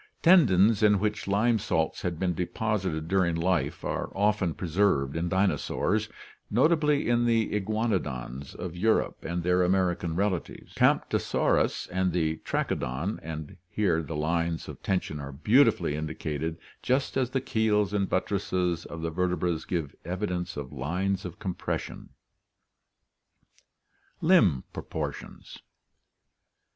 Tendons in which lime salts had been deposited during life are often preserved in dinosaurs, notably in the iguanodons of Europe and their American relatives, Catnptosaurus and Trachodon (see Chapter XXXI), and here the lines of tension are beautifully indi cated just as the keels and buttresses of the vertebras give evidence of lines of compression. Limb Proportions.